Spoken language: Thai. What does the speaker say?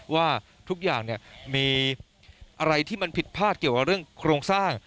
ว่าทุกอย่างมีอะไรที่มันผิดพลาดเกี่ยวกับเรื่องโครงสร้าง